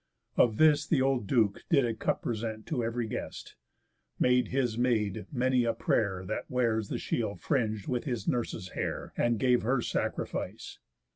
Of this the old duke did a cup present To ev'ry guest; made his Maid many a pray'r That wears the shield fring'd with his nurse's hair, And gave her sacrifice.